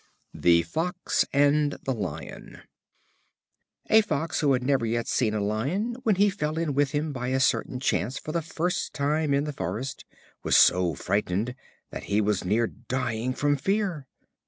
The Fox and the Lion. A Fox who had never yet seen a Lion, when he fell in with him by a certain chance for the first time in the forest, was so frightened that he was near dying with fear.